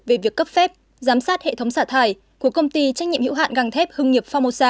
về việc cấp phép giám sát hệ thống xả thải của công ty trách nhiệm hiệu hạn găng thép hưng nghiệp formosa